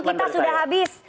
waktu kita sudah habis